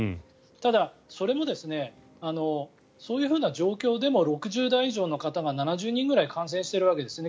ただ、それもそういうような状況でも６０代以上の方が７０人以上感染しているわけですね